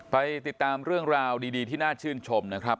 ไปติดตามเรื่องราวดีที่น่าชื่นชมนะครับ